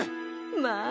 まあ。